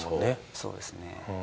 そうですね。